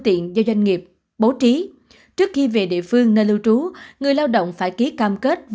tiện do doanh nghiệp bố trí trước khi về địa phương nơi lưu trú người lao động phải ký cam kết